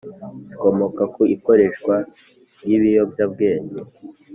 zikomoka ku ikoreshwa ry’ibiyobyabwenge.